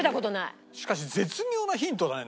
しかし絶妙なヒントだね